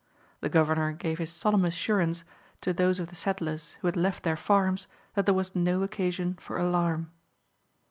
The Governor gave his solemn assurance to those of the settlers who had left their farms that there was no occasion for alarm.